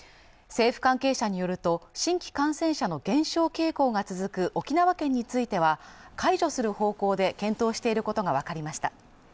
政府関係者によると新規感染者の減少傾向が続く沖縄県については解除する方向で検討していることが分かりました